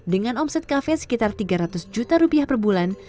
dengan omset kafe sekitar tiga ratus juta rupiah per bulan